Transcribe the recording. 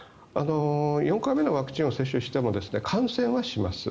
４回目のワクチンを接種しても感染はします。